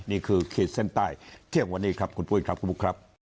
นี่คือเขตเส้นใต้เที่ยววันนี้ครับคุณปุ๊กครับคุณปุ๊กครับ